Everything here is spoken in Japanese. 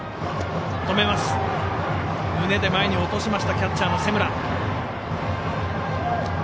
胸で前に落としましたキャッチャーの瀬村。